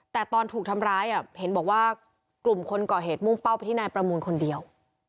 แต่ตอนถูกทำร้ายเห็นบอกว่ากลุ่มคนก่อเหตุมุ่งเป้าไปที่นายประมูลคนเดียว